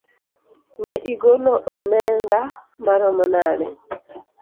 Ne igolo onenda maromo nade?